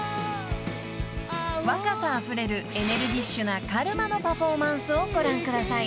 ［若さあふれるエネルギッシュなＫＡＬＭＡのパフォーマンスをご覧ください］